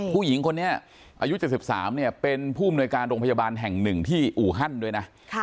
ผู้หญิงคนนี้อายุ๗๓เป็นผู้อำนวยการโรงพยาบาลแห่งหนึ่งที่อูฮันด้วยนะ